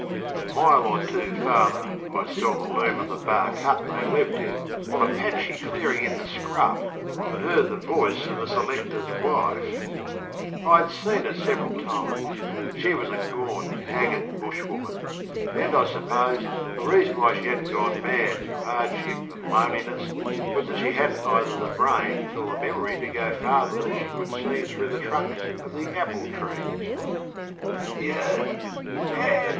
A mile or two farther I saw the loom of the bark hut they lived in, on a patchy clearing in the scrub, and heard the voice of the selectorŌĆÖs wifeŌĆöI had seen her several times: she was a gaunt, haggard Bushwoman, and, I supposed, the reason why she hadnŌĆÖt gone mad through hardship and loneliness was that she hadnŌĆÖt either the brains or the memory to go farther than she could see through the trunks of the ŌĆÖapple treesŌĆÖ. ŌĆśYou, An nay!